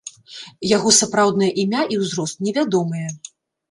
Яго сапраўднае імя і ўзрост невядомыя.